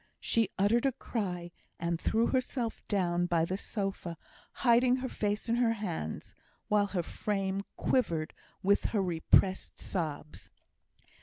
She uttered a cry, and threw herself down by the sofa, hiding her face in her hands, while her frame quivered with her repressed sobs.